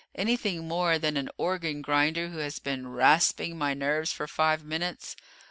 Anything more than an organ grinder who has been rasping my nerves for five minutes?